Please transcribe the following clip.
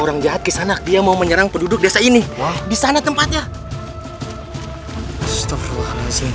orang jahat kesana dia mau menyerang penduduk desa ini di sana tempatnya